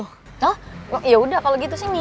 hah yaudah kalo gitu sini